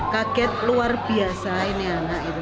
kaget luar biasa ini anak itu